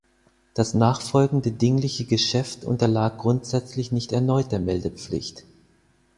Das nachfolgende dingliche Geschäft unterlag grundsätzlich nicht erneut der Meldepflicht.